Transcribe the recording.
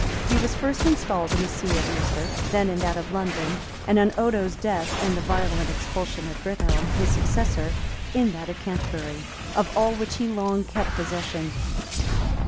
He was first installed in the see of Worcester, then in that of London,[] and, on Odo's death, and the violent expulsion of Brithelm, his successor, in that of Canterbury;[] of all which he long kept possession.